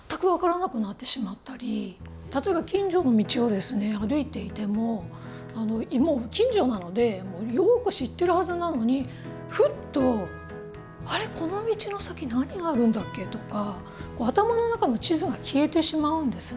例えば近所の道を歩いていてももう近所なのでよく知ってるはずなのにふっと「あれこの道の先何があるんだっけ？」とか頭の中の地図が消えてしまうんですね。